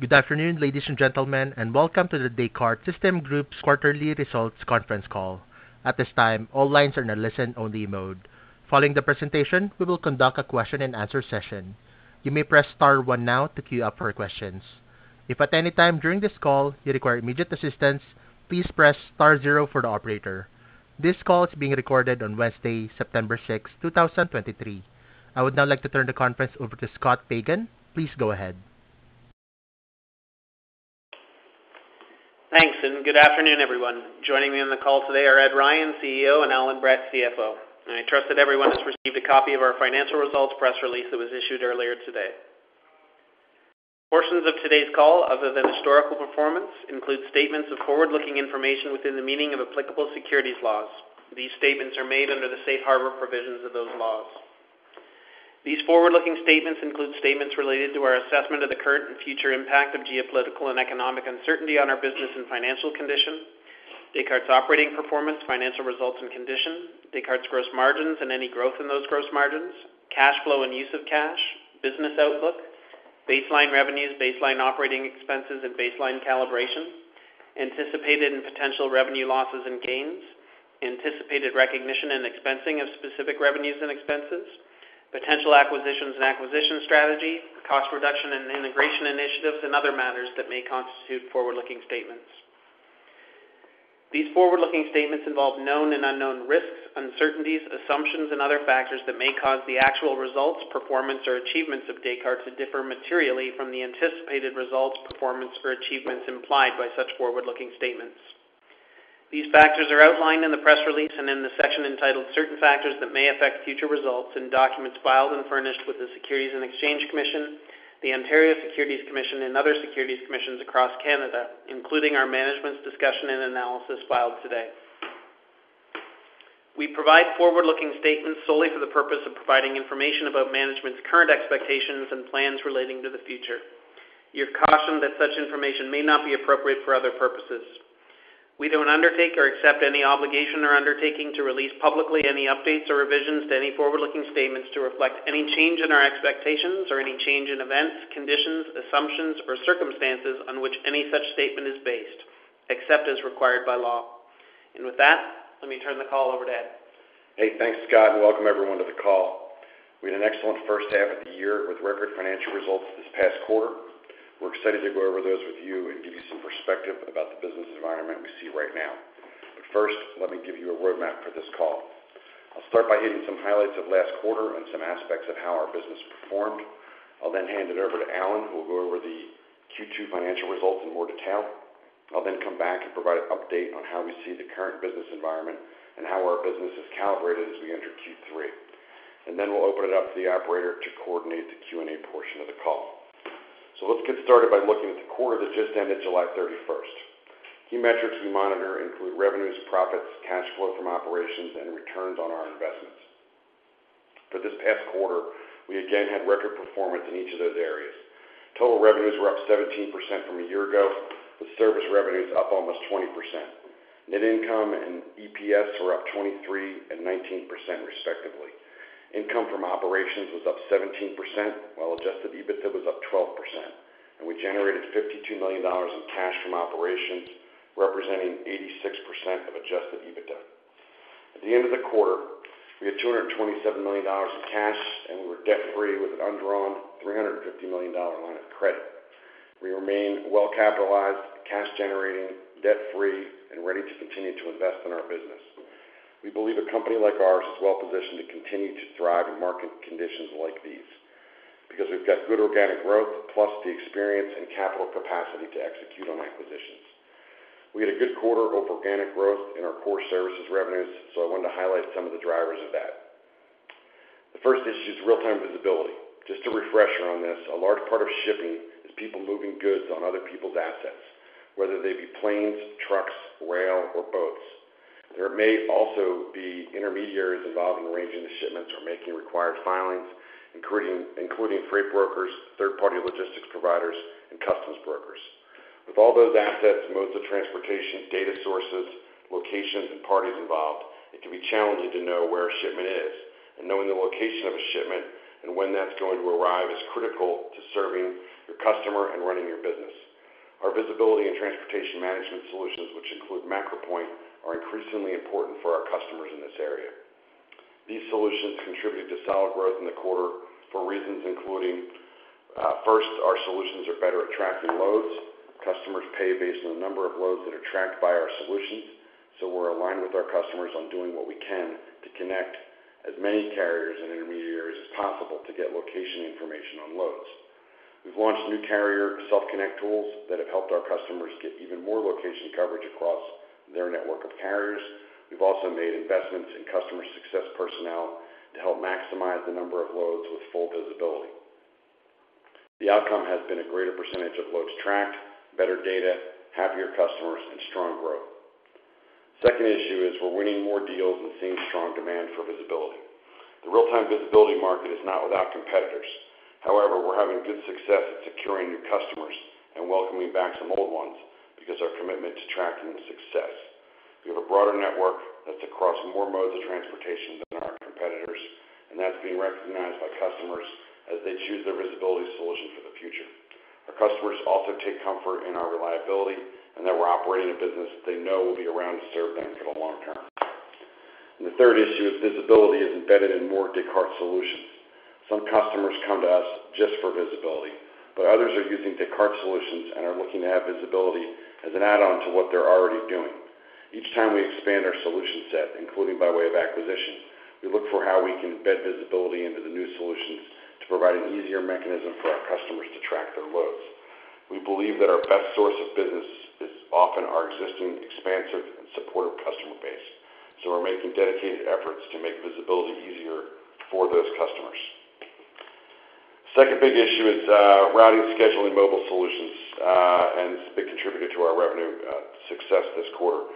Good afternoon, ladies and gentlemen, and welcome to the Descartes Systems Group's quarterly results conference call. At this time, all lines are in a listen-only mode. Following the presentation, we will conduct a question-and-answer session. You may press star one now to queue up for questions. If at any time during this call you require immediate assistance, please press star zero for the operator. This call is being recorded on Wednesday, September sixth, 2023. I would now like to turn the conference over to Scott Pagan. Please go ahead. Thanks, and good afternoon, everyone. Joining me on the call today are Ed Ryan, CEO, and Allan Brett, CFO. I trust that everyone has received a copy of our financial results press release that was issued earlier today. Portions of today's call, other than historical performance, include statements of forward-looking information within the meaning of applicable securities laws. These statements are made under the safe harbor provisions of those laws. These forward-looking statements include statements related to our assessment of the current and future impact of geopolitical and economic uncertainty on our business and financial condition, Descartes' operating performance, financial results, and conditions, Descartes' gross margins and any growth in those gross margins, cash flow and use of cash, business outlook, baseline revenues, baseline operating expenses, and baseline calibration, anticipated and potential revenue losses and gains, anticipated recognition and expensing of specific revenues and expenses, potential acquisitions and acquisition strategy, cost reduction and integration initiatives, and other matters that may constitute forward-looking statements. These forward-looking statements involve known and unknown risks, uncertainties, assumptions, and other factors that may cause the actual results, performance, or achievements of Descartes to differ materially from the anticipated results, performance, or achievements implied by such forward-looking statements. These factors are outlined in the press release and in the section entitled Certain Factors That May Affect Future Results in documents filed and furnished with the Securities and Exchange Commission, the Ontario Securities Commission, and other securities commissions across Canada, including our Management's Discussion and Analysis filed today. We provide forward-looking statements solely for the purpose of providing information about management's current expectations and plans relating to the future. You're cautioned that such information may not be appropriate for other purposes. We don't undertake or accept any obligation or undertaking to release publicly any updates or revisions to any forward-looking statements to reflect any change in our expectations or any change in events, conditions, assumptions, or circumstances on which any such statement is based, except as required by law. With that, let me turn the call over to Ed. Hey, thanks, Scott, and welcome everyone to the call. We had an excellent first half of the year with record financial results this past quarter. We're excited to go over those with you and give you some perspective about the business environment we see right now. But first, let me give you a roadmap for this call. I'll start by hitting some highlights of last quarter and some aspects of how our business performed. I'll then hand it over to Allan, who will go over the Q2 financial results in more detail. I'll then come back and provide an update on how we see the current business environment and how our business is calibrated as we enter Q3. And then we'll open it up to the operator to coordinate the Q&A portion of the call. So let's get started by looking at the quarter that just ended July 31. Key metrics we monitor include revenues, profits, cash flow from operations, and returns on our investments. For this past quarter, we again had record performance in each of those areas. Total revenues were up 17% from a year ago, with service revenues up almost 20%. Net income and EPS were up 23% and 19%, respectively. Income from operations was up 17%, while adjusted EBITDA was up 12%, and we generated $52 million in cash from operations, representing 86% of adjusted EBITDA. At the end of the quarter, we had $227 million in cash, and we were debt-free with an undrawn $350 million line of credit. We remain well capitalized, cash generating, debt-free, and ready to continue to invest in our business. We believe a company like ours is well positioned to continue to thrive in market conditions like these because we've got good organic growth, plus the experience and capital capacity to execute on acquisitions. We had a good quarter of organic growth in our core services revenues, so I wanted to highlight some of the drivers of that. The first issue is real-time visibility. Just a refresher on this, a large part of shipping is people moving goods on other people's assets, whether they be planes, trucks, rail, or boats. There may also be intermediaries involved in arranging the shipments or making required filings, including freight brokers, third-party logistics providers, and customs brokers. With all those assets, modes of transportation, data sources, locations, and parties involved, it can be challenging to know where a shipment is, and knowing the location of a shipment and when that's going to arrive is critical to serving your customer and running your business. Our visibility and transportation management solutions, which include MacroPoint, are increasingly important for our customers in this area. These solutions contributed to solid growth in the quarter for reasons including first, our solutions are better at tracking loads. Customers pay based on the number of loads that are tracked by our solutions, so we're aligned with our customers on doing what we can to connect as many carriers and intermediaries as possible to get location information on loads. We've launched new carrier self-connect tools that have helped our customers get even more location coverage across their network of carriers. We've also made investments in customer success personnel to help maximize the number of loads with full visibility. The outcome has been a greater percentage of loads tracked, better data, happier customers, and strong growth. Second issue is we're winning more deals and seeing strong demand for visibility. The real-time visibility market is not without competitors. However, we're having good success at securing new customers and welcoming back some old ones because our commitment to tracking success.... We have a broader network that's across more modes of transportation than our competitors, and that's being recognized by customers as they choose their visibility solution for the future. Our customers also take comfort in our reliability, and that we're operating a business they know will be around to serve them for the long term. The third issue is visibility is embedded in more Descartes solutions. Some customers come to us just for visibility, but others are using Descartes solutions and are looking to have visibility as an add-on to what they're already doing. Each time we expand our solution set, including by way of acquisition, we look for how we can embed visibility into the new solutions to provide an easier mechanism for our customers to track their loads. We believe that our best source of business is often our existing, expansive, and supportive customer base, so we're making dedicated efforts to make visibility easier for those customers. Second big issue is routing, scheduling, mobile solutions, and this has been contributed to our revenue success this quarter.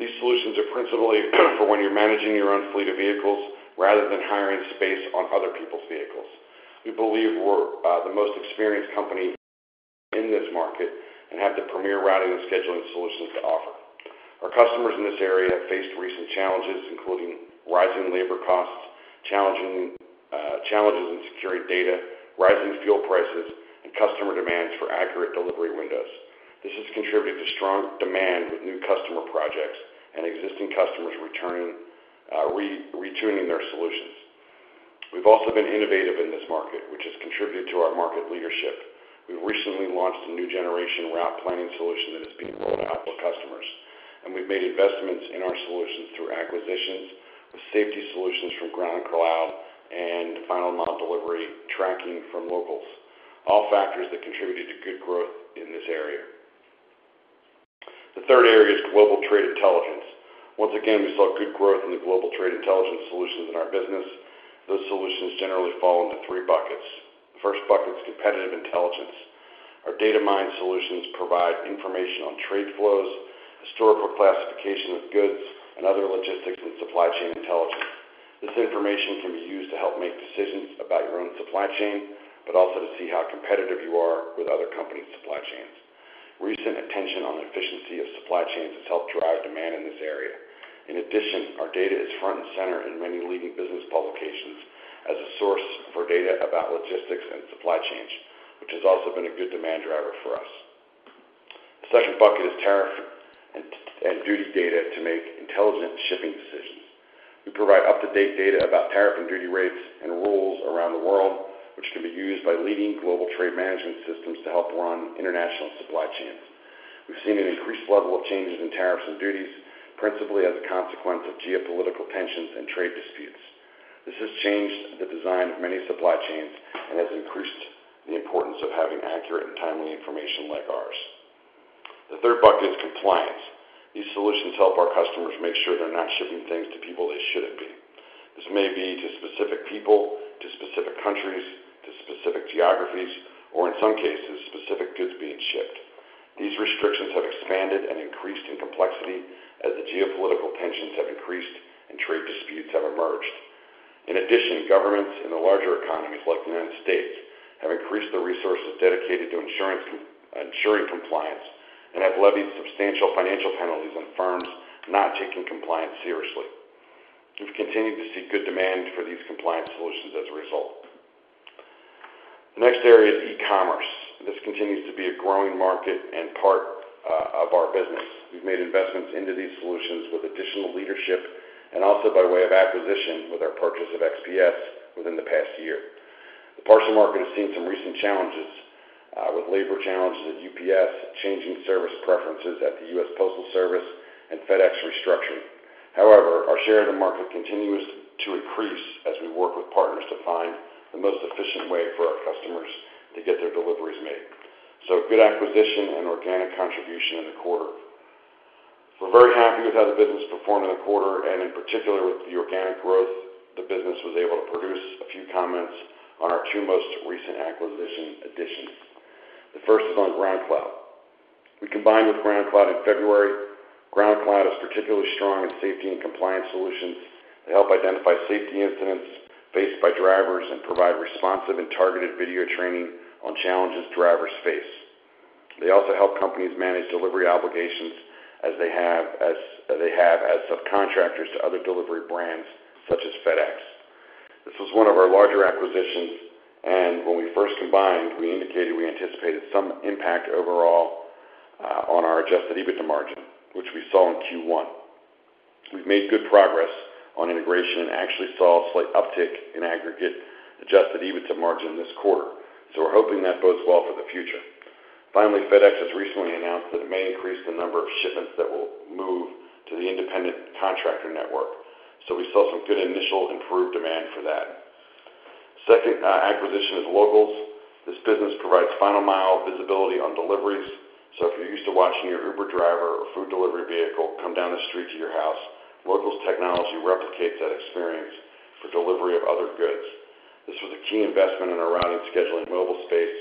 These solutions are principally for when you're managing your own fleet of vehicles rather than hiring space on other people's vehicles. We believe we're the most experienced company in this market and have the premier routing and scheduling solutions to offer. Our customers in this area have faced recent challenges, including rising labor costs, challenges in securing data, rising fuel prices, and customer demands for accurate delivery windows. This has contributed to strong demand with new customer projects and existing customers returning, retuning their solutions. We've also been innovative in this market, which has contributed to our market leadership. We recently launched a new generation route planning solution that is being rolled out to customers, and we've made investments in our solutions through acquisitions, with safety solutions from GroundCloud and final mile delivery tracking from Localz, all factors that contributed to good growth in this area. The third area is Global Trade Intelligence. Once again, we saw good growth in the Global Trade Intelligence solutions in our business. Those solutions generally fall into three buckets. The first bucket is competitive intelligence. Our Datamyne solutions provide information on trade flows, historical classification of goods, and other logistics and supply chain intelligence. This information can be used to help make decisions about your own supply chain, but also to see how competitive you are with other companies' supply chains. Recent attention on the efficiency of supply chains has helped drive demand in this area. In addition, our data is front and center in many leading business publications as a source for data about logistics and supply chains, which has also been a good demand driver for us. The second bucket is tariff and duty data to make intelligent shipping decisions. We provide up-to-date data about tariff and duty rates and rules around the world, which can be used by leading global trade management systems to help run international supply chains. We've seen an increased level of changes in tariffs and duties, principally as a consequence of geopolitical tensions and trade disputes. This has changed the design of many supply chains and has increased the importance of having accurate and timely information like ours. The third bucket is compliance. These solutions help our customers make sure they're not shipping things to people they shouldn't be. This may be to specific people, to specific countries, to specific geographies, or in some cases, specific goods being shipped. These restrictions have expanded and increased in complexity as the geopolitical tensions have increased and trade disputes have emerged. In addition, governments in the larger economies, like the United States, have increased their resources dedicated to ensuring compliance, and have levied substantial financial penalties on firms not taking compliance seriously. We've continued to see good demand for these compliance solutions as a result. The next area is e-commerce. This continues to be a growing market and part of our business. We've made investments into these solutions with additional leadership and also by way of acquisition, with our purchase of XPS within the past year. The parcel market has seen some recent challenges with labor challenges at UPS, changing service preferences at the U.S. Postal Service, and FedEx restructuring. However, our share of the market continues to increase as we work with partners to find the most efficient way for our customers to get their deliveries made. So good acquisition and organic contribution in the quarter. We're very happy with how the business performed in the quarter, and in particular, with the organic growth, the business was able to produce a few comments on our two most recent acquisition additions. The first is on GroundCloud. We combined with GroundCloud in February. GroundCloud is particularly strong in safety and compliance solutions. They help identify safety incidents faced by drivers and provide responsive and targeted video training on challenges drivers face. They also help companies manage delivery obligations as they have, as they have as subcontractors to other delivery brands, such as FedEx. This was one of our larger acquisitions, and when we first combined, we indicated we anticipated some impact overall on our Adjusted EBITDA margin, which we saw in Q1. We've made good progress on integration and actually saw a slight uptick in aggregate Adjusted EBITDA margin this quarter, so we're hoping that bodes well for the future. Finally, FedEx has recently announced that it may increase the number of shipments that will move to the independent contractor network, so we saw some good initial improved demand for that. Second, acquisition is Localz. This business provides final mile visibility on deliveries, so if you're used to watching your Uber driver or food delivery vehicle come down the street to your house, Localz's technology replicates that experience for delivery of other goods. This was a key investment in our routing, scheduling, mobile space,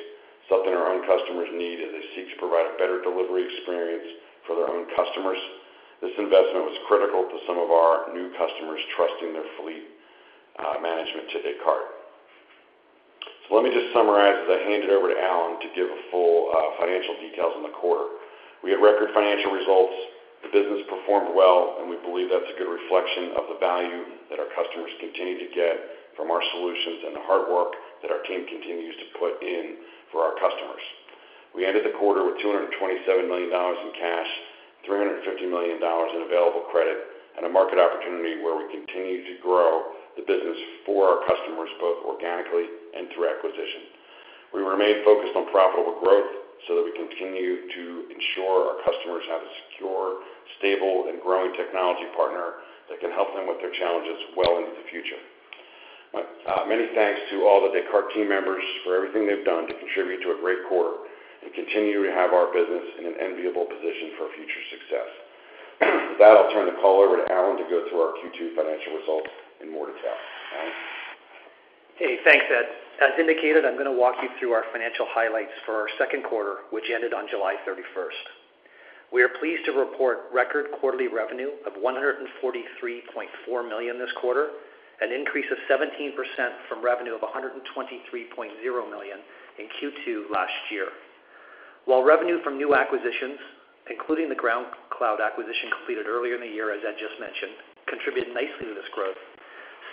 something our own customers need as they seek to provide a better delivery experience for their own customers. This investment was critical to some of our new customers trusting their fleet management to Descartes. So let me just summarize as I hand it over to Allan to give a full financial details on the quarter. We had record financial results. The business performed well, and we believe that's a good reflection of the value that our customers continue to get from our solutions and the hard work that our team continues to put in for our customers. We ended the quarter with $227 million in cash, $350 million in available credit, and a market opportunity where we continue to grow the business for our customers, both organically and through acquisition. We remain focused on profitable growth so that we continue to ensure our customers have a secure, stable, and growing technology partner that can help them with their challenges well into the future. Many thanks to all the Descartes team members for everything they've done to contribute to a great quarter and continue to have our business in an enviable position for future success. With that, I'll turn the call over to Allan to go through our Q2 financial results in more detail. Allan? Hey, thanks, Ed. As indicated, I'm gonna walk you through our financial highlights for our second quarter, which ended on July 31. We are pleased to report record quarterly revenue of $143.4 million this quarter, an increase of 17% from revenue of $123.0 million in Q2 last year. While revenue from new acquisitions, including the GroundCloud acquisition completed earlier in the year, as Ed just mentioned, contributed nicely to this growth.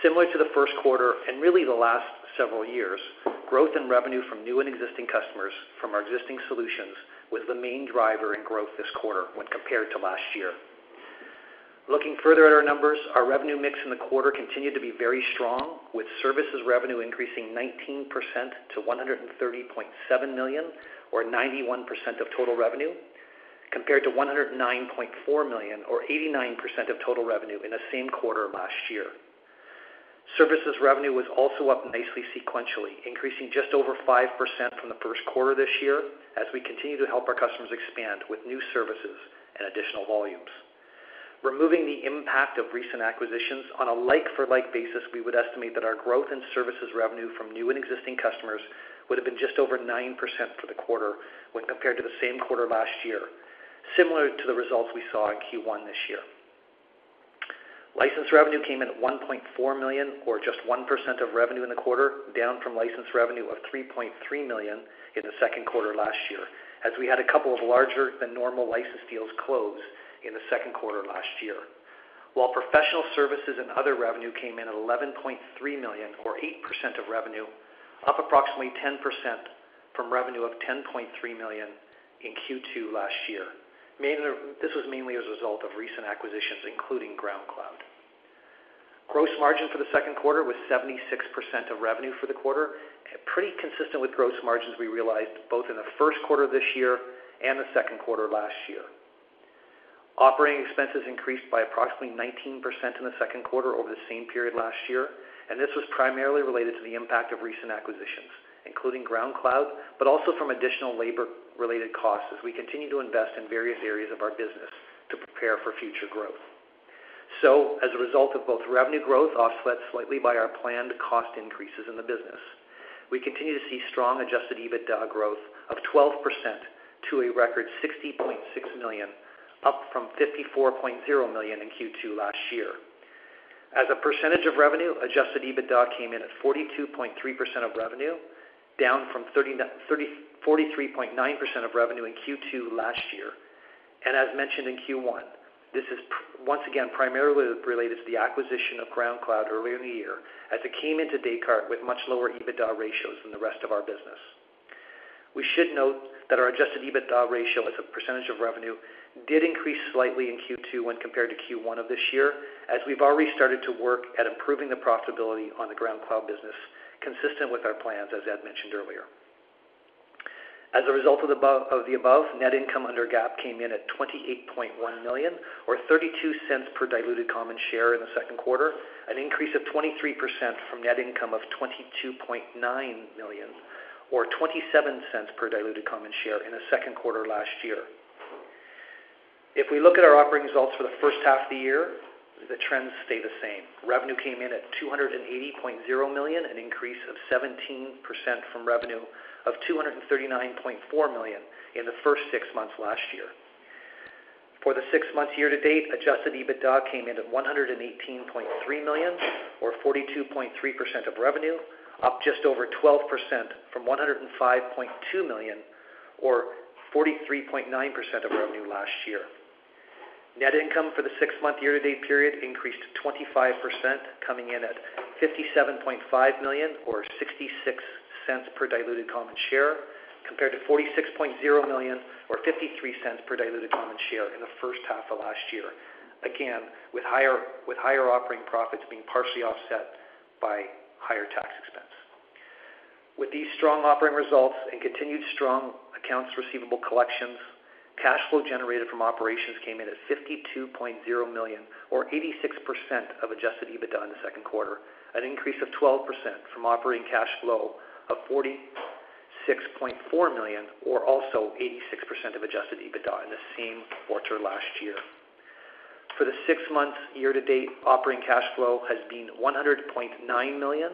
Similar to the first quarter and really the last several years, growth in revenue from new and existing customers from our existing solutions was the main driver in growth this quarter when compared to last year. Looking further at our numbers, our revenue mix in the quarter continued to be very strong, with services revenue increasing 19% to $130.7 million, or 91% of total revenue, compared to $109.4 million, or 89% of total revenue in the same quarter last year. Services revenue was also up nicely sequentially, increasing just over 5% from the first quarter this year, as we continue to help our customers expand with new services and additional volumes. Removing the impact of recent acquisitions on a like-for-like basis, we would estimate that our growth in services revenue from new and existing customers would have been just over 9% for the quarter when compared to the same quarter last year, similar to the results we saw in Q1 this year. License revenue came in at $1.4 million, or just 1% of revenue in the quarter, down from license revenue of $3.3 million in the second quarter last year, as we had a couple of larger-than-normal license deals close in the second quarter last year. While professional services and other revenue came in at $11.3 million, or 8% of revenue, up approximately 10% from revenue of $10.3 million in Q2 last year. Mainly, this was mainly as a result of recent acquisitions, including GroundCloud. Gross margin for the second quarter was 76% of revenue for the quarter, pretty consistent with gross margins we realized both in the first quarter of this year and the second quarter last year. Operating expenses increased by approximately 19% in the second quarter over the same period last year, and this was primarily related to the impact of recent acquisitions, including GroundCloud, but also from additional labor-related costs as we continue to invest in various areas of our business to prepare for future growth. So as a result of both revenue growth, offset slightly by our planned cost increases in the business, we continue to see strong adjusted EBITDA growth of 12% to a record $60.6 million, up from $54.0 million in Q2 last year. As a percentage of revenue, adjusted EBITDA came in at 42.3% of revenue, down from 43.9% of revenue in Q2 last year. As mentioned in Q1, this is once again primarily related to the acquisition of GroundCloud earlier in the year, as it came into Descartes with much lower EBITDA ratios than the rest of our business. We should note that our Adjusted EBITDA ratio as a percentage of revenue did increase slightly in Q2 when compared to Q1 of this year, as we've already started to work at improving the profitability on the GroundCloud business, consistent with our plans, as Ed mentioned earlier. As a result of the above, of the above, net income under GAAP came in at $28.1 million, or $0.32 per diluted common share in the second quarter, an increase of 23% from net income of $22.9 million, or $0.27 per diluted common share in the second quarter last year. If we look at our operating results for the first half of the year, the trends stay the same. Revenue came in at $280.0 million, an increase of 17% from revenue of $239.4 million in the first six months last year. For the six-month year-to-date, Adjusted EBITDA came in at $118.3 million, or 42.3% of revenue, up just over 12% from $105.2 million, or 43.9% of revenue last year. Net income for the six-month year-to-date period increased 25%, coming in at $57.5 million or $0.66 per diluted common share, compared to $46.0 million or $0.53 per diluted common share in the first half of last year. Again, with higher operating profits being partially offset by higher tax expense. With these strong operating results and continued strong accounts receivable collections, cash flow generated from operations came in at $52.0 million, or 86% of Adjusted EBITDA in the second quarter, an increase of 12% from operating cash flow of $46.4 million, or also 86% of Adjusted EBITDA in the same quarter last year. For the six months year to date, operating cash flow has been $100.9 million,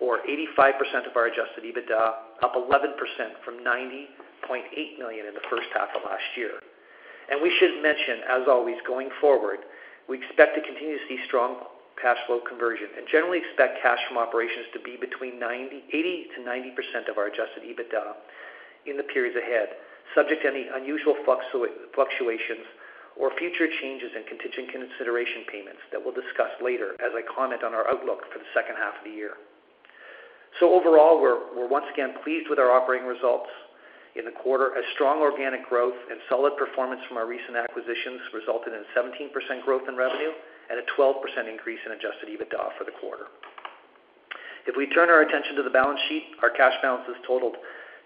or 85% of our Adjusted EBITDA, up 11% from $90.8 million in the first half of last year.... We should mention, as always, going forward, we expect to continue to see strong cash flow conversion and generally expect cash from operations to be between 80%-90% of our adjusted EBITDA in the periods ahead, subject to any unusual fluctuations or future changes in contingent consideration payments that we'll discuss later as I comment on our outlook for the second half of the year. Overall, we're once again pleased with our operating results in the quarter, as strong organic growth and solid performance from our recent acquisitions resulted in 17% growth in revenue and a 12% increase in adjusted EBITDA for the quarter. If we turn our attention to the balance sheet, our cash balances totaled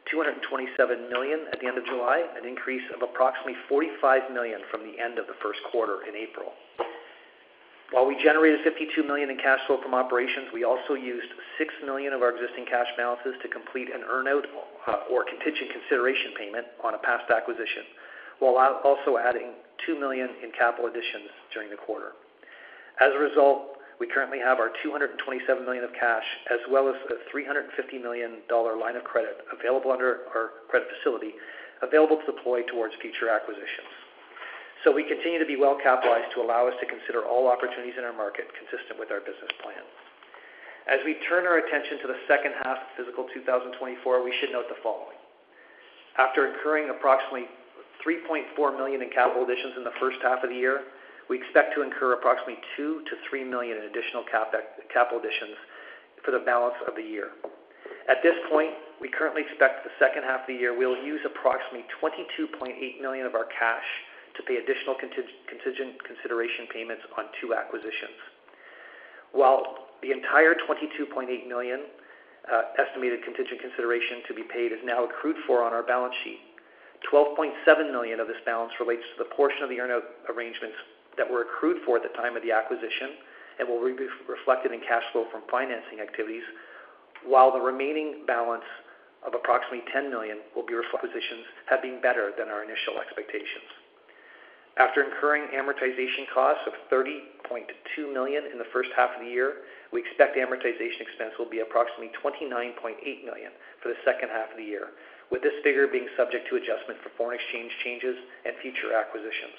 $227 million at the end of July, an increase of approximately $45 million from the end of the first quarter in April. While we generated $52 million in cash flow from operations, we also used $6 million of our existing cash balances to complete an earn-out or contingent consideration payment on a past acquisition, while also adding $2 million in capital additions during the quarter. As a result, we currently have $227 million of cash, as well as a $350 million line of credit available under our credit facility, available to deploy towards future acquisitions. So we continue to be well-capitalized to allow us to consider all opportunities in our market, consistent with our business plan. As we turn our attention to the second half of fiscal 2024, we should note the following: After incurring approximately $3.4 million in capital additions in the first half of the year, we expect to incur approximately $2-$3 million in additional CapEx, capital additions for the balance of the year. At this point, we currently expect the second half of the year, we'll use approximately $22.8 million of our cash to pay additional contingent consideration payments on two acquisitions. While the entire $22.8 million estimated contingent consideration to be paid is now accrued for on our balance sheet, $12.7 million of this balance relates to the portion of the earn-out arrangements that were accrued for at the time of the acquisition and will be reflected in cash flow from financing activities, while the remaining balance of approximately $10 million will be acquisitions having better than our initial expectations. After incurring amortization costs of $30.2 million in the first half of the year, we expect amortization expense will be approximately $29.8 million for the second half of the year, with this figure being subject to adjustment for foreign exchange changes and future acquisitions.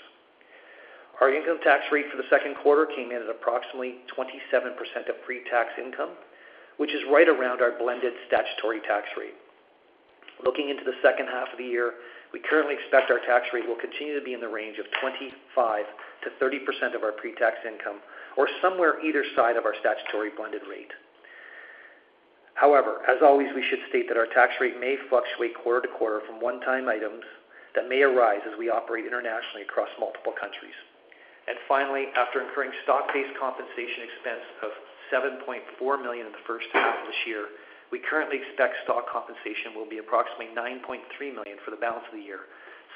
Our income tax rate for the second quarter came in at approximately 27% of pre-tax income, which is right around our blended statutory tax rate. Looking into the second half of the year, we currently expect our tax rate will continue to be in the range of 25%-30% of our pre-tax income, or somewhere either side of our statutory blended rate. However, as always, we should state that our tax rate may fluctuate quarter to quarter from one-time items that may arise as we operate internationally across multiple countries. And finally, after incurring stock-based compensation expense of $7.4 million in the first half of this year, we currently expect stock compensation will be approximately $9.3 million for the balance of the year,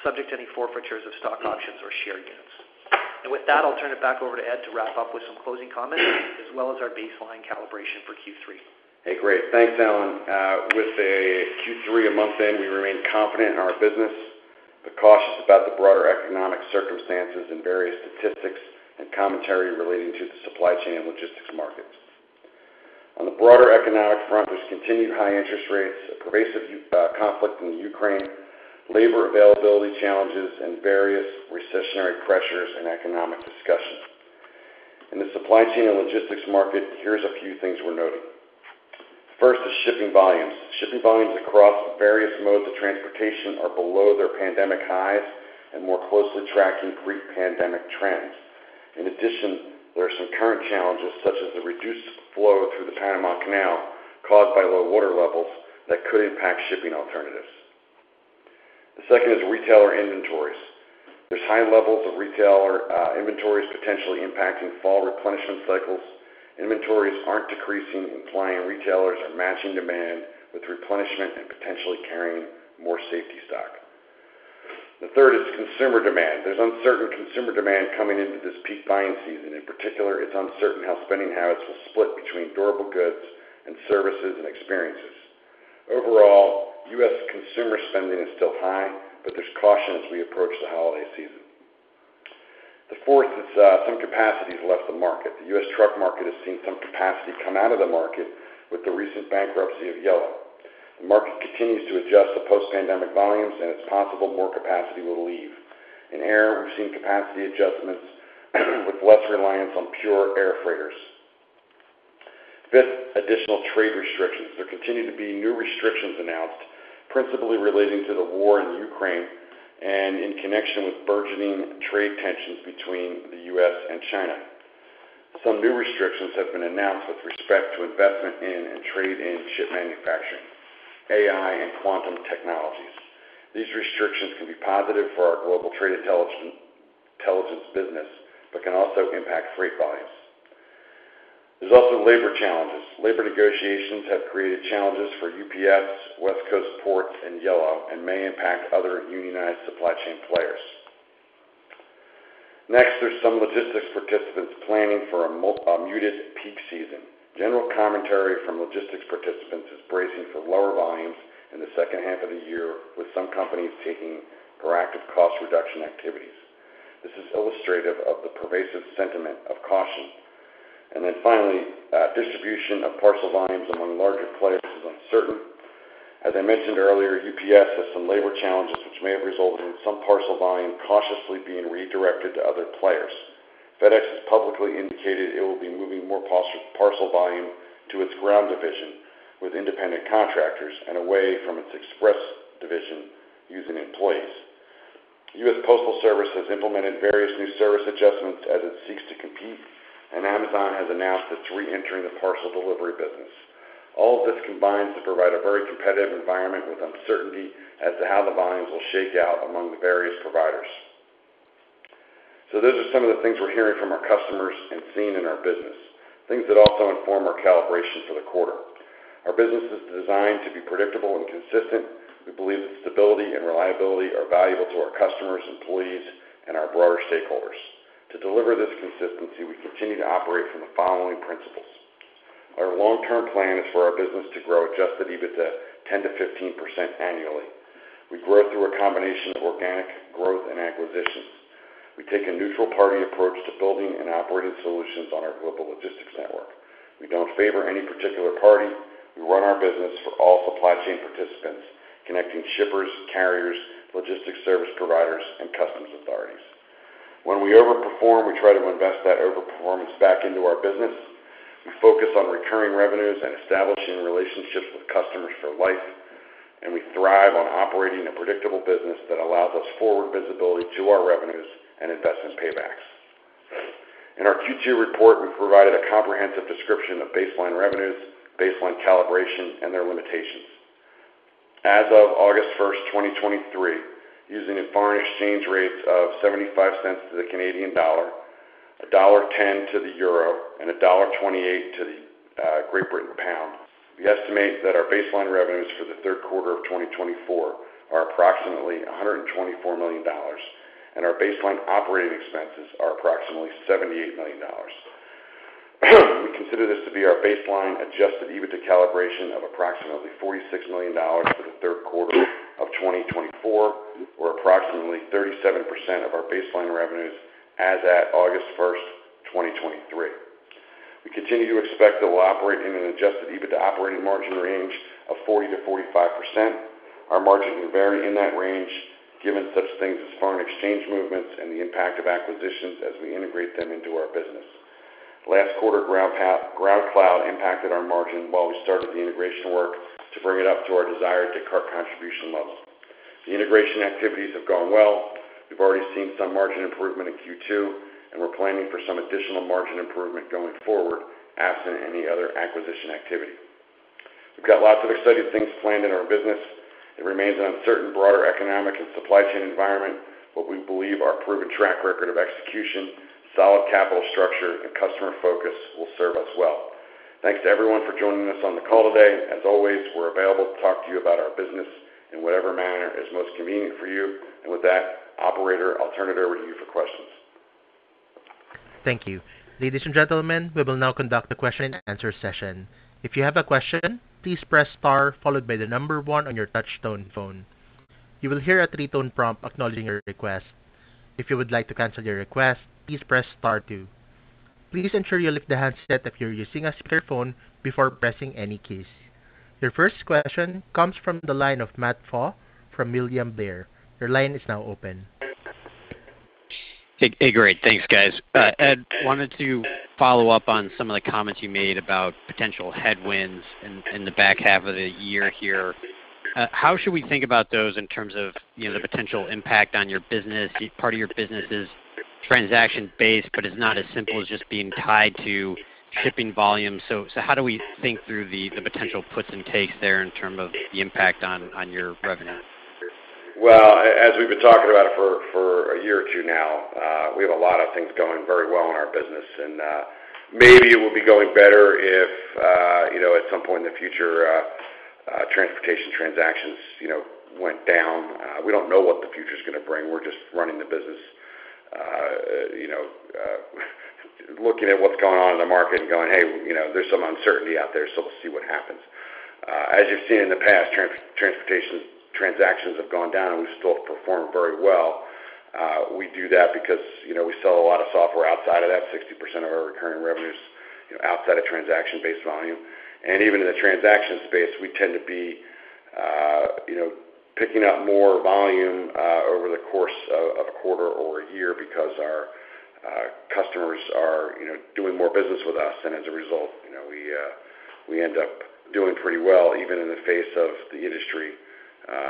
subject to any forfeitures of stock options or share units. And with that, I'll turn it back over to Ed to wrap up with some closing comments, as well as our baseline calibration for Q3. Hey, great. Thanks, Allan. With a Q3 a month in, we remain confident in our business, but cautious about the broader economic circumstances and various statistics and commentary relating to the supply chain and logistics markets. On the broader economic front, there's continued high interest rates, a pervasive conflict in Ukraine, labor availability challenges, and various recessionary pressures and economic discussions. In the supply chain and logistics market, here's a few things we're noting. First is shipping volumes. Shipping volumes across various modes of transportation are below their pandemic highs and more closely tracking pre-pandemic trends. In addition, there are some current challenges, such as the reduced flow through the Panama Canal caused by low water levels, that could impact shipping alternatives. The second is retailer inventories. There's high levels of retailer inventories potentially impacting fall replenishment cycles. Inventories aren't decreasing, implying retailers are matching demand with replenishment and potentially carrying more safety stock. The third is consumer demand. There's uncertain consumer demand coming into this peak buying season. In particular, it's uncertain how spending habits will split between durable goods and services and experiences. Overall, U.S. consumer spending is still high, but there's caution as we approach the holiday season. The fourth is, some capacity has left the market. The U.S. truck market has seen some capacity come out of the market with the recent bankruptcy of Yellow. The market continues to adjust to post-pandemic volumes, and it's possible more capacity will leave. In air, we've seen capacity adjustments with less reliance on pure air freighters. Fifth, additional trade restrictions. There continue to be new restrictions announced, principally relating to the war in Ukraine and in connection with burgeoning trade tensions between the U.S. and China. Some new restrictions have been announced with respect to investment in and trade in chip manufacturing, AI, and quantum technologies. These restrictions can be positive for our Global Trade Intelligence, intelligence business, but can also impact freight volumes. There's also labor challenges. Labor negotiations have created challenges for UPS, West Coast ports, and Yellow, and may impact other unionized supply chain players. Next, there's some logistics participants planning for a muted peak season. General commentary from logistics participants is bracing for lower volumes in the second half of the year, with some companies taking proactive cost reduction activities. This is illustrative of the pervasive sentiment of caution. And then finally, distribution of parcel volumes among larger players is uncertain. As I mentioned earlier, UPS has some labor challenges which may have resulted in some parcel volume cautiously being redirected to other players. FedEx has publicly indicated it will be moving more parcel volume to its Ground division with independent contractors and away from its Express division using employees. U.S. Postal Service has implemented various new service adjustments as it seeks to compete, and Amazon has announced it's reentering the parcel delivery business. All of this combines to provide a very competitive environment, with uncertainty as to how the volumes will shake out among the various providers. So those are some of the things we're hearing from our customers and seeing in our business, things that also inform our calibration for the quarter. Our business is designed to be predictable and consistent. We believe that stability and reliability are valuable to our customers, employees, and our broader stakeholders. To deliver this consistency, we continue to operate from the following principles: Our long-term plan is for our business to grow Adjusted EBITDA 10%-15% annually. We grow through a combination of organic growth and acquisitions. We take a neutral party approach to building and operating solutions on our global logistics network. We don't favor any particular party. We run our business for all supply chain participants, connecting shippers, carriers, logistics service providers, and customs authorities. When we overperform, we try to invest that overperformance back into our business. We focus on recurring revenues and establishing relationships with customers for life, and we thrive on operating a predictable business that allows us forward visibility to our revenues and investment paybacks. In our Q2 report, we've provided a comprehensive description of baseline revenues, baseline calibration, and their limitations. As of August 1, 2023, using foreign exchange rates of $0.75 to the Canadian dollar, $1.10 to the euro, and $1.28 to the British pound, we estimate that our baseline revenues for the third quarter of 2024 are approximately $124 million, and our baseline operating expenses are approximately $78 million. We consider this to be our baseline Adjusted EBITDA calibration of approximately $46 million for the third quarter of 2024, or approximately 37% of our baseline revenues as at August 1, 2023. We continue to expect that we'll operate in an Adjusted EBITDA operating margin range of 40%-45%. Our margins will vary in that range, given such things as foreign exchange movements and the impact of acquisitions as we integrate them into our business. Last quarter, GroundCloud impacted our margin while we started the integration work to bring it up to our desired Descartes contribution level. The integration activities have gone well. We've already seen some margin improvement in Q2, and we're planning for some additional margin improvement going forward, absent any other acquisition activity. We've got lots of exciting things planned in our business. It remains an uncertain, broader economic and supply chain environment, but we believe our proven track record of execution, solid capital structure, and customer focus will serve us well. Thanks to everyone for joining us on the call today. As always, we're available to talk to you about our business in whatever manner is most convenient for you. And with that, operator, I'll turn it over to you for questions. Thank you. Ladies and gentlemen, we will now conduct a question and answer session. If you have a question, please press star followed by the number one on your touchtone phone. You will hear a three-tone prompt acknowledging your request. If you would like to cancel your request, please press star two. Please ensure you lift the handset if you're using a speakerphone before pressing any keys. Your first question comes from the line of Matt Pfau from William Blair. Your line is now open. Hey, great. Thanks, guys. Ed, wanted to follow up on some of the comments you made about potential headwinds in the back half of the year here. How should we think about those in terms of, you know, the potential impact on your business? Part of your business is transaction based, but it's not as simple as just being tied to shipping volume. So, how do we think through the potential puts and takes there in terms of the impact on your revenue? Well, as we've been talking about it for a year or two now, we have a lot of things going very well in our business. And maybe it will be going better if, you know, at some point in the future, transportation transactions, you know, went down. We don't know what the future is going to bring. We're just running the business, you know, looking at what's going on in the market and going, "Hey, you know, there's some uncertainty out there, so we'll see what happens." As you've seen in the past, transportation transactions have gone down, and we still perform very well. We do that because, you know, we sell a lot of software. Outside of that, 60% of our recurring revenue is, you know, outside of transaction-based volume. And even in the transaction space, we tend to be, you know, picking up more volume, over the course of, of a quarter or a year because our, customers are, you know, doing more business with us. And as a result, you know, we, we end up doing pretty well, even in the face of the industry,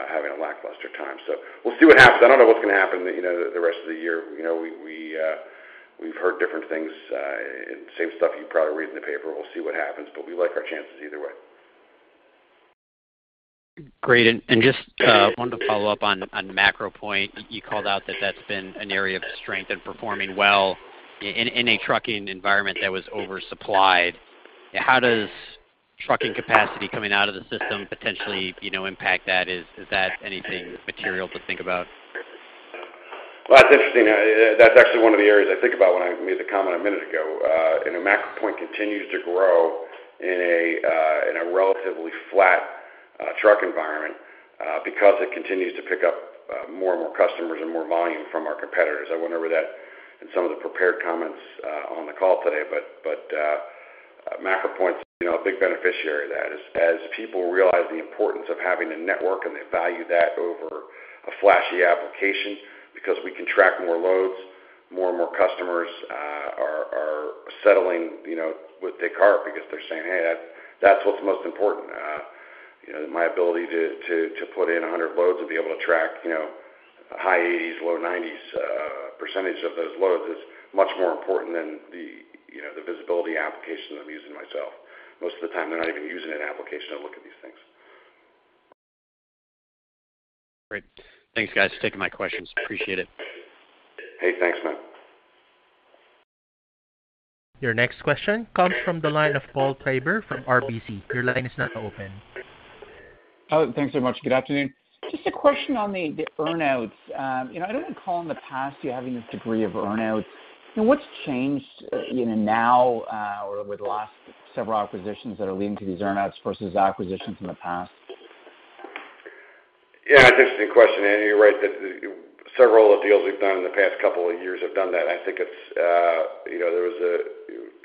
having a lackluster time. So we'll see what happens. I don't know what's going to happen, you know, the rest of the year. You know, we, we, we've heard different things, and same stuff you probably read in the paper. We'll see what happens, but we like our chances either way. Great. And just wanted to follow up on the MacroPoint. You called out that that's been an area of strength and performing well in a trucking environment that was oversupplied. How does trucking capacity coming out of the system potentially, you know, impact that? Is that anything material to think about? Well, that's interesting. That's actually one of the areas I think about when I made the comment a minute ago. And the MacroPoint continues to grow in a relatively flat truck environment because it continues to pick up more and more customers and more volume from our competitors. I went over that in some of the prepared comments on the call today, but MacroPoint's, you know, a big beneficiary of that is as people realize the importance of having a network, and they value that over a flashy application. Because we can track more loads, more and more customers are settling, you know, with Descartes because they're saying, "Hey, that's what's most important. You know, my ability to put in 100 loads and be able to track, you know, high 80s-low 90s% of those loads is much more important than the, you know, the visibility application I'm using myself." Most of the time, they're not even using an application to look at these things. Great. Thanks, guys, for taking my questions. Appreciate it. Hey, thanks, Matt. Your next question comes from the line of Paul Treiber from RBC. Your line is now open. Oh, thanks so much. Good afternoon. Just a question on the earn-outs. You know, I don't recall in the past you having this degree of earn-out. You know, what's changed, you know, now, or with the last several acquisitions that are leading to these earn-outs versus acquisitions in the past? Yeah, it's an interesting question, and you're right, that several of the deals we've done in the past couple of years have done that. I think it's, you know, there was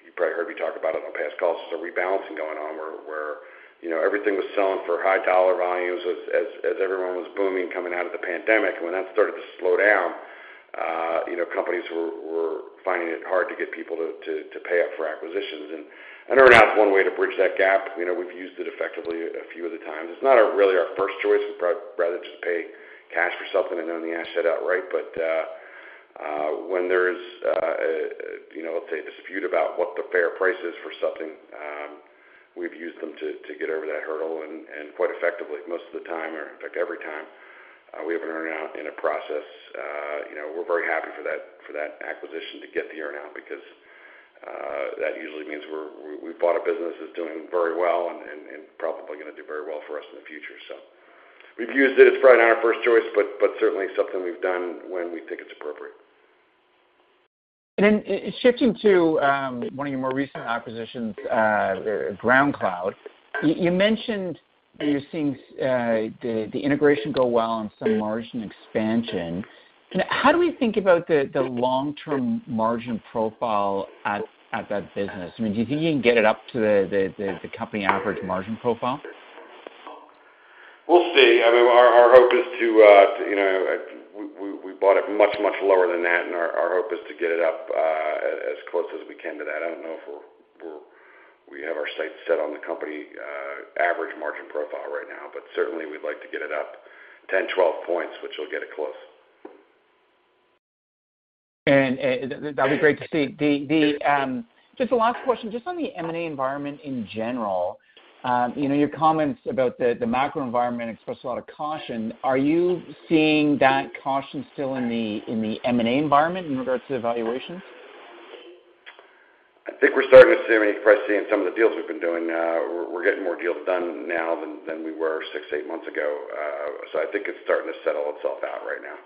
you probably heard me talk about it on past calls. There's a rebalancing going on, where you know, everything was selling for high dollar volumes as everyone was booming, coming out of the pandemic. When that started to slow down, you know, companies were finding it hard to get people to pay up for acquisitions. And an earn-out is one way to bridge that gap. You know, we've used it effectively a few of the times. It's not our, really our first choice. We'd rather just pay cash for something and own the asset outright. But, when there's a, you know, let's say, dispute about what the fair price is for something, we've used them to get over that hurdle, and quite effectively. Most of the time, or in fact, every time, we have an earn-out in a process, you know, we're very happy for that acquisition to get the earn-out because that usually means we bought a business that's doing very well and probably gonna do very well for us in the future. So we've used it. It's probably not our first choice, but certainly something we've done when we think it's appropriate. Shifting to one of your more recent acquisitions, GroundCloud. You mentioned that you're seeing the integration go well and some margin expansion. Kind of, how do we think about the long-term margin profile at that business? I mean, do you think you can get it up to the company average margin profile? We'll see. I mean, our hope is to, you know... We bought it much lower than that, and our hope is to get it up, as close as we can to that. I don't know if we're -- we have our sights set on the company average margin profile right now, but certainly we'd like to get it up 10-12 points, which will get it close. And that'd be great to see. Just the last question, just on the M&A environment in general. You know, your comments about the macro environment expressed a lot of caution. Are you seeing that caution still in the M&A environment in regards to the valuations? I think we're starting to see, and you can probably see in some of the deals we've been doing now, we're, we're getting more deals done now than, than we were 6, 8 months ago. So I think it's starting to settle itself out right now,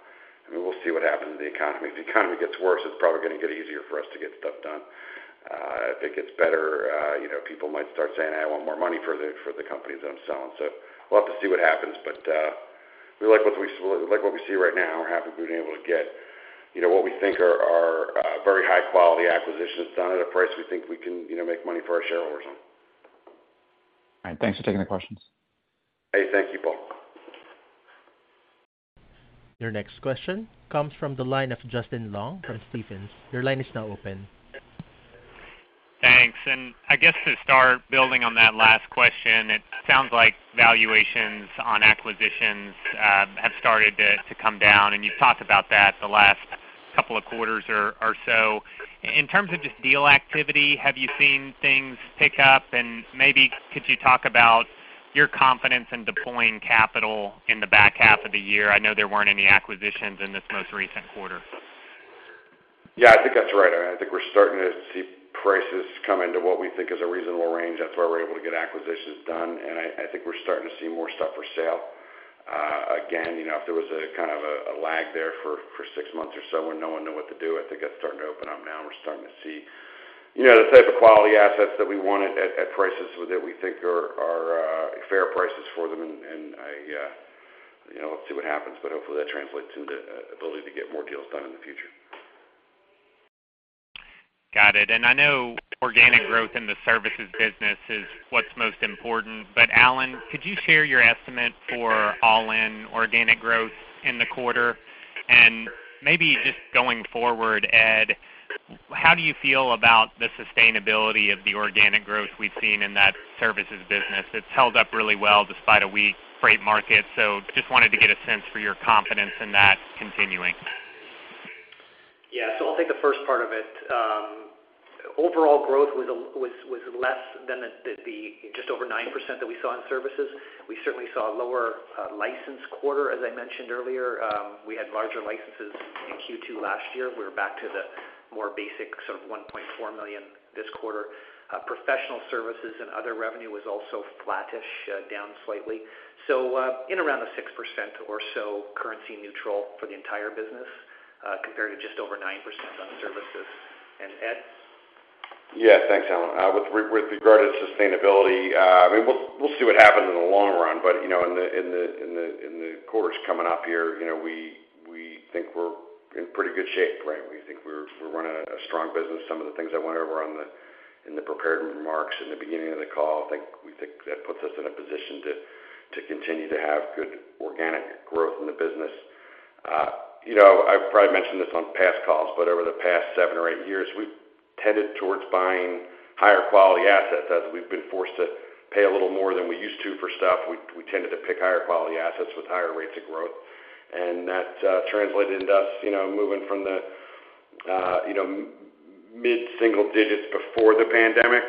and we'll see what happens in the economy. If the economy gets worse, it's probably gonna get easier for us to get stuff done. If it gets better, you know, people might start saying, "I want more money for the, for the companies that I'm selling." So we'll have to see what happens, but we like what we-- we like what we see right now. We're happy we've been able to get, you know, what we think are, are, very high-quality acquisitions done at a price we think we can, you know, make money for our shareholders on. All right. Thanks for taking the questions. Hey, thank you, Paul. Your next question comes from the line of Justin Long from Stephens. Your line is now open. Thanks. And I guess to start building on that last question, it sounds like valuations on acquisitions have started to come down, and you've talked about that the last couple of quarters or so. In terms of just deal activity, have you seen things pick up? And maybe could you talk about your confidence in deploying capital in the back half of the year? I know there weren't any acquisitions in this most recent quarter. Yeah, I think that's right. I think we're starting to see prices come into what we think is a reasonable range. That's why we're able to get acquisitions done, and I think we're starting to see more stuff for sale. Again, you know, if there was a kind of a lag there for six months or so where no one knew what to do, I think that's starting to open up now. We're starting to see, you know, the type of quality assets that we wanted at prices that we think are fair prices for them. And I, you know, let's see what happens, but hopefully, that translates into the ability to get more deals done in the future. Got it. And I know organic growth in the services business is what's most important. But Allan, could you share your estimate for all-in organic growth in the quarter? And maybe just going forward, Ed, how do you feel about the sustainability of the organic growth we've seen in that services business? It's held up really well despite a weak freight market, so just wanted to get a sense for your confidence in that continuing. Yeah. So I'll take the first part of it. Overall growth was less than the just over 9% that we saw in services. We certainly saw a lower license quarter, as I mentioned earlier. We had larger licenses in Q2 last year. We're back to the more basic, sort of $1.4 million this quarter. Professional services and other revenue was also flattish, down slightly. So, in around the 6% or so currency neutral for the entire business, compared to just over 9% on services. And Ed?... Yeah, thanks, Allan. With regard to sustainability, I mean, we'll see what happens in the long run, but you know, in the quarters coming up here, you know, we think we're in pretty good shape, right? We think we're running a strong business. Some of the things I went over in the prepared remarks in the beginning of the call, I think, we think that puts us in a position to continue to have good organic growth in the business. You know, I've probably mentioned this on past calls, but over the past seven or eight years, we've tended towards buying higher quality assets. As we've been forced to pay a little more than we used to for stuff, we tended to pick higher quality assets with higher rates of growth. That translated into us, you know, moving from the, you know, mid single digits before the pandemic,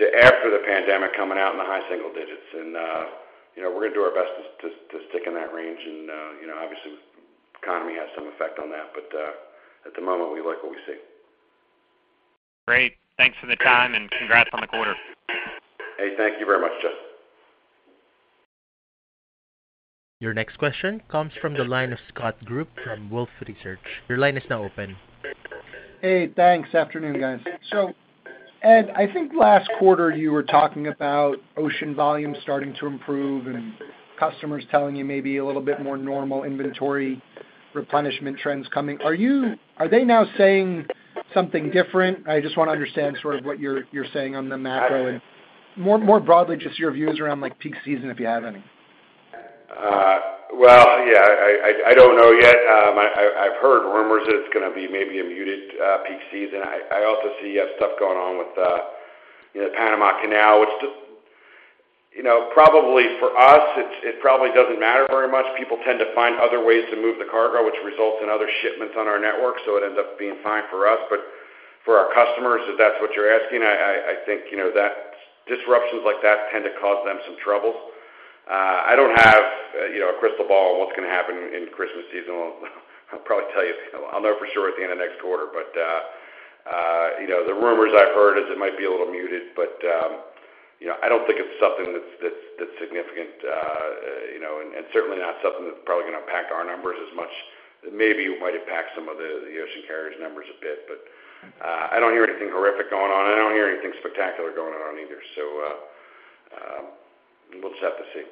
to after the pandemic, coming out in the high single digits. And, you know, we're gonna do our best to stick in that range. And, you know, obviously, the economy has some effect on that, but, at the moment, we like what we see. Great. Thanks for the time, and congrats on the quarter. Hey, thank you very much, Justin. Your next question comes from the line of Scott Group from Wolfe Research. Your line is now open. Hey, thanks. Afternoon, guys. So, Ed, I think last quarter you were talking about ocean volume starting to improve and customers telling you maybe a little bit more normal inventory replenishment trends coming. Are they now saying something different? I just wanna understand sort of what you're saying on the macro. And more broadly, just your views around, like, peak season, if you have any. Well, yeah, I don't know yet. I've heard rumors that it's gonna be maybe a muted peak season. I also see stuff going on with you know, the Panama Canal, which, you know, probably for us, it probably doesn't matter very much. People tend to find other ways to move the cargo, which results in other shipments on our network, so it ends up being fine for us. But for our customers, if that's what you're asking, I think, you know, that disruptions like that tend to cause them some trouble. I don't have you know, a crystal ball on what's gonna happen in Christmas season. I'll probably tell you, I'll know for sure at the end of next quarter, but, you know, the rumors I've heard is it might be a little muted, but, you know, I don't think it's something that's significant, you know, and certainly not something that's probably gonna impact our numbers as much. Maybe it might impact some of the ocean carriers' numbers a bit, but, I don't hear anything horrific going on, and I don't hear anything spectacular going on either. So, we'll just have to see.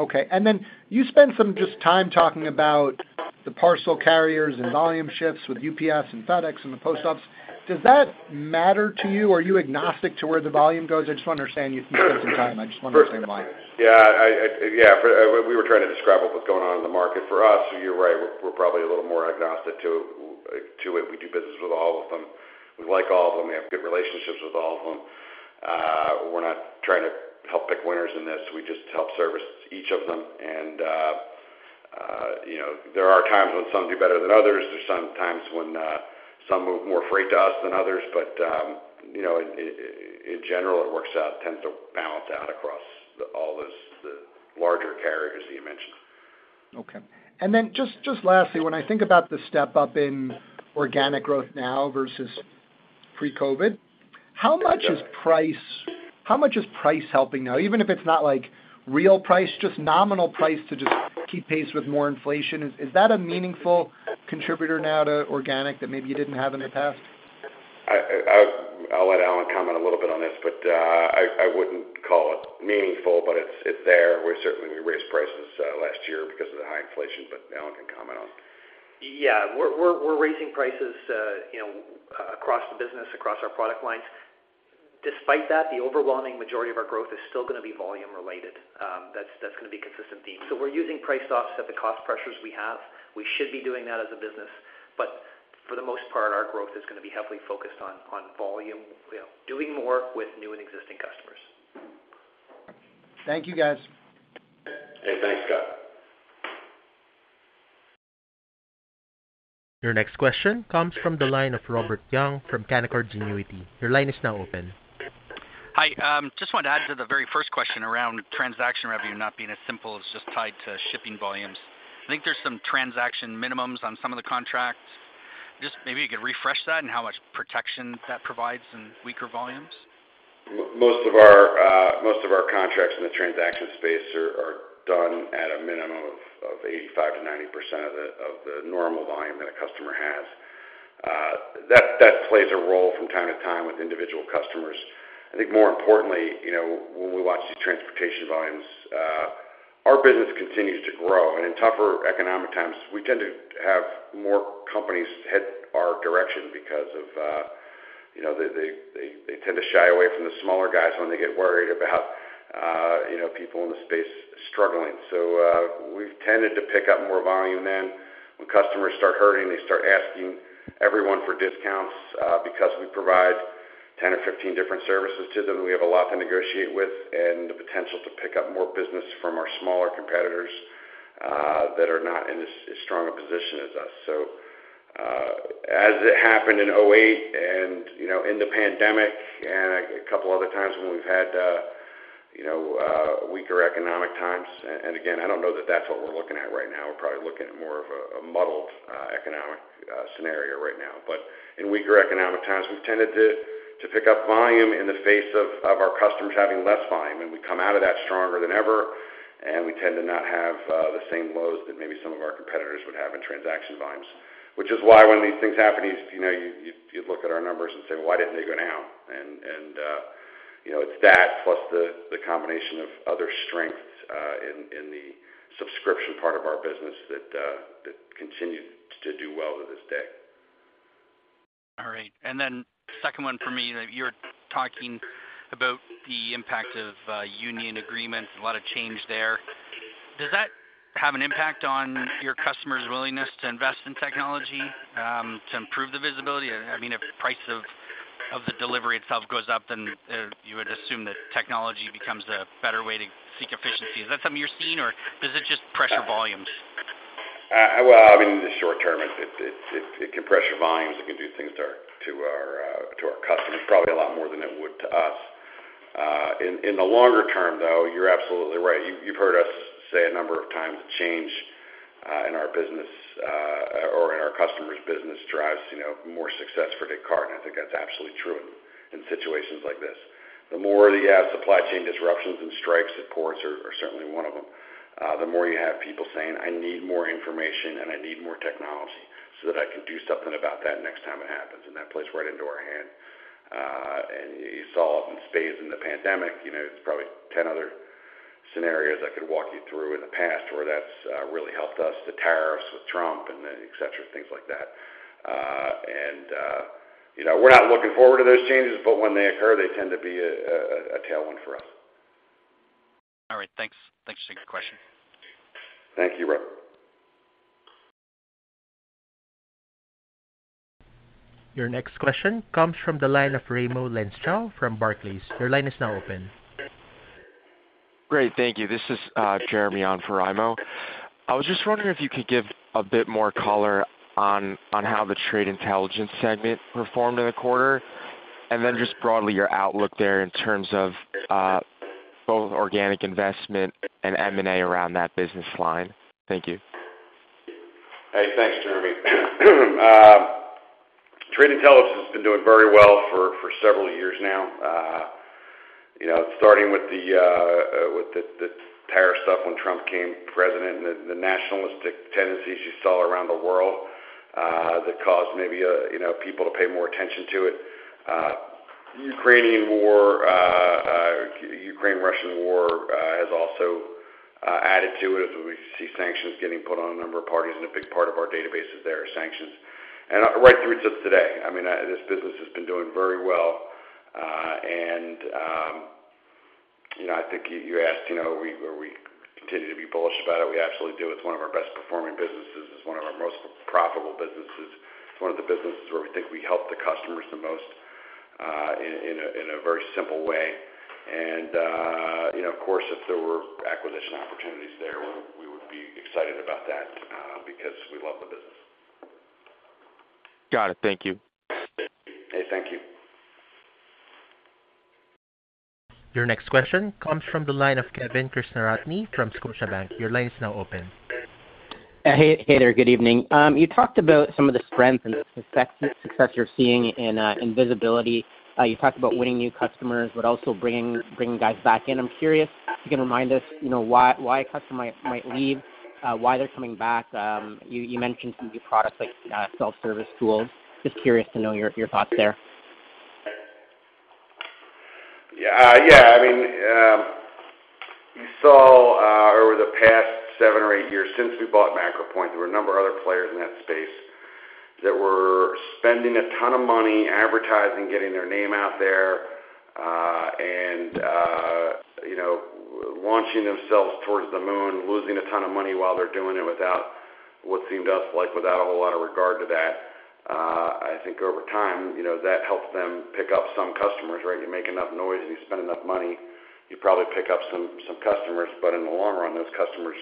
Okay. And then you spent some just time talking about the parcel carriers and volume shifts with UPS and FedEx and the Post Office. Does that matter to you, or are you agnostic to where the volume goes? I just want to understand. You spent some time, I just wondering why. Yeah, yeah, we were trying to describe what was going on in the market. For us, you're right, we're probably a little more agnostic to it. We do business with all of them. We like all of them. We have good relationships with all of them. We're not trying to help pick winners in this. We just help service each of them, and you know, there are times when some do better than others. There's some times when some move more freight to us than others, but you know, in general, it works out, tends to balance out across all the larger carriers that you mentioned. Okay. And then just, just lastly, when I think about the step up in organic growth now versus pre-COVID, how much is price? How much is price helping now? Even if it's not, like, real price, just nominal price to just keep pace with more inflation. Is, is that a meaningful contributor now to organic that maybe you didn't have in the past? I'll let Allan comment a little bit on this, but I wouldn't call it meaningful, but it's there. We certainly raised prices last year because of the high inflation, but Allan can comment on it. Yeah. We're raising prices, you know, across the business, across our product lines. Despite that, the overwhelming majority of our growth is still gonna be volume related. That's gonna be a consistent theme. So we're using price to offset the cost pressures we have. We should be doing that as a business, but for the most part, our growth is gonna be heavily focused on volume, you know, doing more with new and existing customers. Thank you, guys. Hey, thanks, Scott. Your next question comes from the line of Robert Young from Canaccord Genuity. Your line is now open. Hi. Just want to add to the very first question around transaction revenue not being as simple as just tied to shipping volumes. I think there's some transaction minimums on some of the contracts. Just maybe you could refresh that and how much protection that provides in weaker volumes. Most of our contracts in the transaction space are done at a minimum of 85%-90% of the normal volume that a customer has. That plays a role from time to time with individual customers. I think more importantly, you know, when we watch the transportation volumes, our business continues to grow. And in tougher economic times, we tend to have more companies head our direction because of, you know, they tend to shy away from the smaller guys when they get worried about, you know, people in the space struggling. So, we've tended to pick up more volume then. When customers start hurting, they start asking everyone for discounts. Because we provide 10 or 15 different services to them, we have a lot to negotiate with and the potential to pick up more business from our smaller competitors that are not in as strong a position as us. So, as it happened in 2008 and, you know, in the pandemic and a couple other times when we've had you know, weaker economic times, and again, I don't know that that's what we're looking at right now. We're probably looking at more of a muddled economic scenario right now. But in weaker economic times, we've tended to pick up volume in the face of our customers having less volume, and we come out of that stronger than ever, and we tend to not have the same lows that maybe some of our competitors would have in transaction volume... which is why when these things happen, you know, you look at our numbers and say, "Why didn't they go down?" And, you know, it's that plus the combination of other strengths in the subscription part of our business that continued to do well to this day. All right. And then second one for me, that you're talking about the impact of union agreements, a lot of change there. Does that have an impact on your customers' willingness to invest in technology to improve the visibility? I mean, if price of the delivery itself goes up, then you would assume that technology becomes a better way to seek efficiency. Is that something you're seeing, or does it just pressure volumes? Well, I mean, in the short term, it can pressure volumes, it can do things to our customers, probably a lot more than it would to us. In the longer term, though, you're absolutely right. You've heard us say a number of times, change in our business or in our customer's business drives, you know, more success for Descartes. I think that's absolutely true in situations like this. The more you have supply chain disruptions and strikes, and ports are certainly one of them, the more you have people saying, "I need more information, and I need more technology, so that I can do something about that next time it happens," and that plays right into our hand. And you saw it in spades in the pandemic, you know, there's probably 10 other scenarios I could walk you through in the past where that's really helped us, the tariffs with Trump and et cetera, things like that. And, you know, we're not looking forward to those changes, but when they occur, they tend to be a tailwind for us. All right. Thanks. Thanks for taking the question. Thank you, Rob. Your next question comes from the line of Raimo Lenschow from Barclays. Your line is now open. Great, thank you. This is Jeremy on for Raimo. I was just wondering if you could give a bit more color on how the Trade Intelligence segment performed in the quarter, and then just broadly, your outlook there in terms of both organic investment and M&A around that business line. Thank you. Hey, thanks, Jeremy. Trade Intelligence has been doing very well for several years now. You know, starting with the tariff stuff when Trump became president and the nationalistic tendencies you saw around the world, that caused maybe, you know, people to pay more attention to it. Ukrainian war, Ukraine-Russian war, has also added to it, as we see sanctions getting put on a number of parties, and a big part of our database is there are sanctions. And right through till today, I mean, this business has been doing very well. And, you know, I think you asked, you know, we continue to be bullish about it. We absolutely do. It's one of our best performing businesses. It's one of our most profitable businesses. It's one of the businesses where we think we help the customers the most, in a very simple way. And, you know, of course, if there were acquisition opportunities there, we would be excited about that, because we love the business. Got it. Thank you. Hey, thank you. Your next question comes from the line of Kevin Krishnaratne from Scotiabank. Your line is now open. Hey, hey there. Good evening. You talked about some of the strengths and the success you're seeing in visibility. You talked about winning new customers, but also bringing guys back in. I'm curious, if you can remind us, you know, why a customer might leave, why they're coming back. You mentioned some new products like self-service tools. Just curious to know your thoughts there. Yeah. Yeah, I mean, you saw over the past 7 or 8 years since we bought MacroPoint, there were a number of other players in that space that were spending a ton of money advertising, getting their name out there, and, you know, launching themselves towards the moon, losing a ton of money while they're doing it without what seemed to us like, without a whole lot of regard to that. I think over time, you know, that helps them pick up some customers, right? You make enough noise and you spend enough money, you probably pick up some, some customers, but in the long run, those customers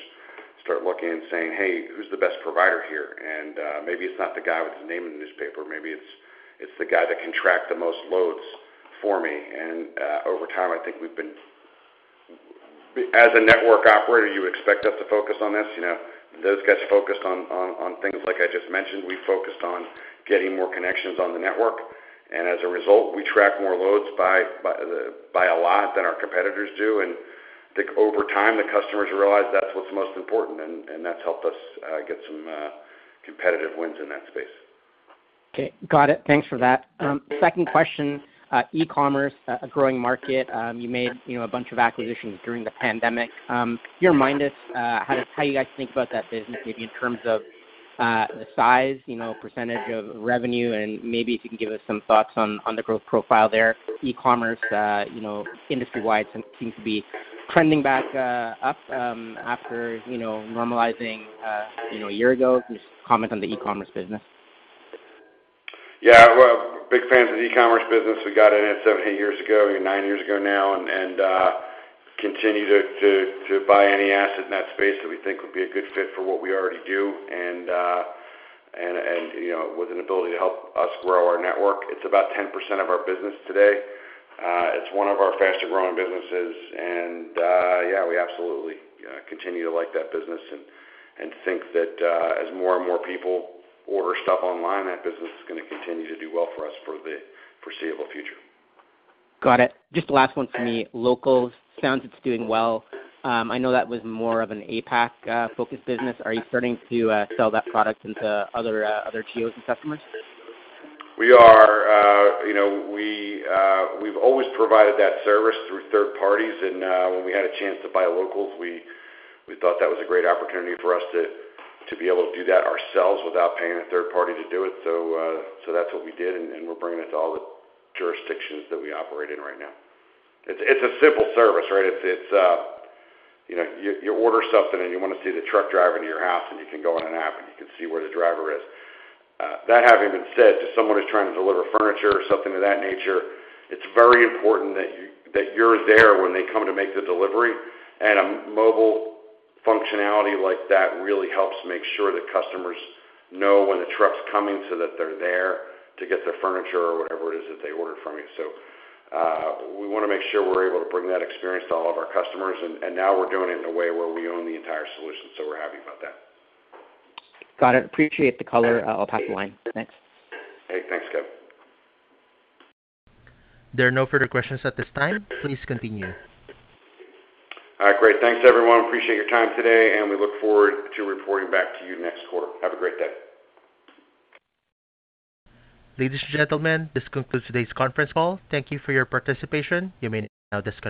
start looking and saying, "Hey, who's the best provider here? And, maybe it's not the guy with the name in the newspaper. Maybe it's the guy that can track the most loads for me." And over time, I think we've been... As a network operator, you expect us to focus on this. You know, those guys focused on things like I just mentioned. We focused on getting more connections on the network, and as a result, we track more loads by a lot than our competitors do. And I think over time, the customers realize that's what's most important, and that's helped us get some competitive wins in that space. Okay, got it. Thanks for that. Second question, e-commerce, a growing market. You made, you know, a bunch of acquisitions during the pandemic. Can you remind us how you guys think about that business, maybe in terms of the size, you know, percentage of revenue, and maybe if you can give us some thoughts on the growth profile there. E-commerce, you know, industry-wide, seems to be trending back up after, you know, normalizing a year ago. Just comment on the e-commerce business. Yeah, we're big fans of the e-commerce business. We got in it 7, 8 years ago, 9 years ago now, and continue to buy any asset in that space that we think would be a good fit for what we already do, and you know, with an ability to help us grow our network. It's about 10% of our business today. It's one of our fastest growing businesses, and yeah, we absolutely continue to like that business and think that as more and more people order stuff online, that business is gonna continue to do well for us for the foreseeable future. Got it. Just the last one for me. Localz sounds it's doing well. I know that was more of an APAC focused business. Are you starting to sell that product into other geos and customers? We are, you know, we, we've always provided that service through third parties, and, when we had a chance to buy Localz, we, we thought that was a great opportunity for us to, to be able to do that ourselves without paying a third party to do it. So, so that's what we did, and, and we're bringing it to all the jurisdictions that we operate in right now. It's, it's a simple service, right? It's, it's, you know, you, you order something and you want to see the truck driving to your house, and you can go on an app and you can see where the driver is. That having been said, if someone is trying to deliver furniture or something of that nature, it's very important that you-- that you're there when they come to make the delivery. And a mobile functionality like that really helps make sure that customers know when the truck's coming, so that they're there to get their furniture or whatever it is that they ordered from you. So, we wanna make sure we're able to bring that experience to all of our customers, and now we're doing it in a way where we own the entire solution, so we're happy about that. Got it. Appreciate the color. I'll pass the line. Thanks. Hey, thanks, Kevin. There are no further questions at this time. Please continue. All right. Great. Thanks, everyone. Appreciate your time today, and we look forward to reporting back to you next quarter. Have a great day. Ladies and gentlemen, this concludes today's conference call. Thank you for your participation. You may now disconnect.